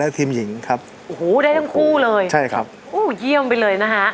ได้ทั้งคู่เลยไปเลยนะฮะ